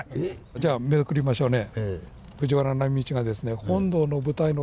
じゃあめくりましょうね。